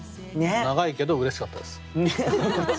長いけどうれしかったです。